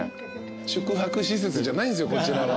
宿泊施設じゃないんすよこちらは。